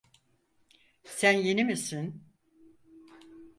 Sen yeni misin?